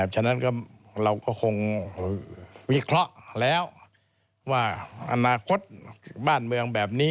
ฉะนั้นเราก็คงวิเคราะห์แล้วว่าอนาคตบ้านเมืองแบบนี้